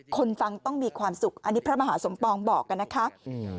คนฟังต้องมีความสุขอันนี้พระมหาสมปองบอกกันนะคะอืม